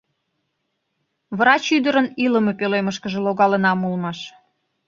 Врач ӱдырын илыме пӧлемышкыже логалынам улмаш.